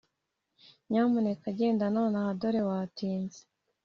nyamuneka genda nonaha dore watinze!